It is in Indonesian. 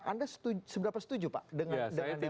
anda seberapa setuju pak dengan perspektif itu